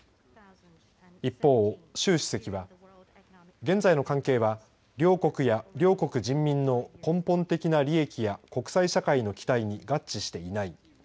一方、習主席は現在の関係は両国や両国人民の根本的な利益や国際社会の期待に合致していない。